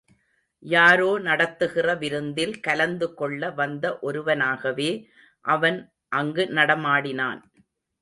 யாரோ நடத்துகிற விருந்தில் கலந்து கொள்ள வந்த ஒருவனாகவே அவன் அங்கு நடமாடினான்.